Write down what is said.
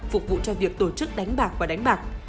phục vụ cho việc tổ chức đánh bạc và đánh bạc